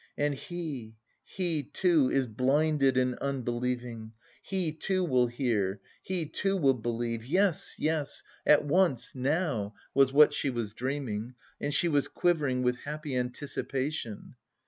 "And he, he too, is blinded and unbelieving, he, too, will hear, he, too, will believe, yes, yes! At once, now," was what she was dreaming, and she was quivering with happy anticipation.